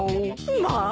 まあ！